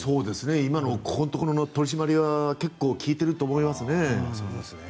今のここのところの取り締まりは結構、効いていると思いますね。